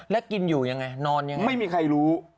แล้วกินอยู่ยังไงนอนยังไงไม่มีใครรู้